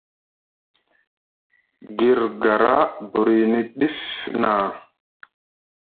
Gir gara burini ɗif na.